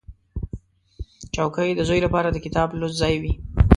چوکۍ د زوی لپاره د کتاب لوست ځای وي.